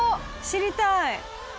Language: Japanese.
知りたい。